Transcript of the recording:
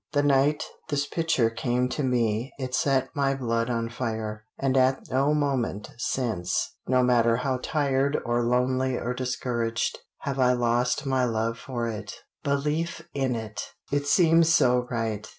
The night this picture came to me it set my blood on fire, and at no moment since, no matter how tired or lonely or discouraged have I lost my love for it belief in it. It seems so right.